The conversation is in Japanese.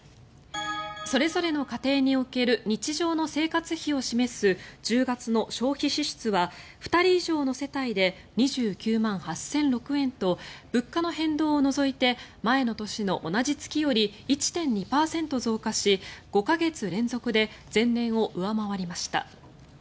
それぞれの家庭における日常の生活費を示す１０月の消費支出は２人以上の世帯で２９万８００６円と物価の変動を除いて前の年の同じ月より１．２％増加し５か月連続で前年を上回りました。